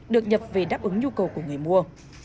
được nhập về đáp ứng nhu cầu của người mua